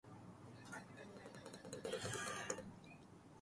فاصلهٔ بین آن دو پایهٔ پل سی متر است.